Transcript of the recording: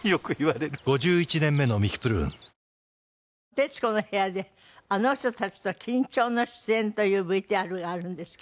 「『徹子の部屋』であの人たちと緊張の出演」というＶＴＲがあるんですけど。